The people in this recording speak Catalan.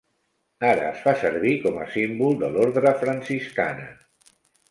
Ara es fa servir com a símbol de l'Ordre Franciscana.